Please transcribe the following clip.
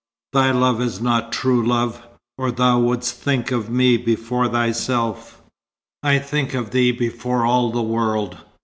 "Thy love is not true love, or thou wouldst think of me before thyself." "I think of thee before all the world.